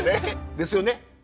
ですよね？